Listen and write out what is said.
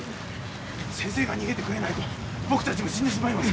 先生が逃げてくれないと僕たちも死んでしまいます。